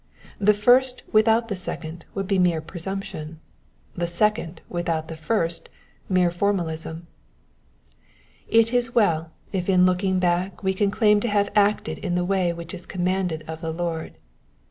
The first without the second would be mere presumption : the second without the first mere formalism. It is well if in looking back we can claim to have acted in the way which is commanded of the Lord.